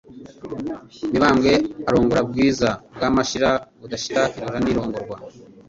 Mibambwe arongora Bwiza bwa Mashira budashira irora n'irongorwa